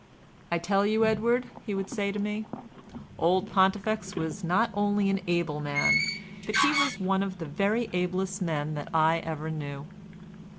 "I tell you, Edward," he would say to me, "old Pontifex was not only an able man, but he was one of the very ablest men that ever I knew."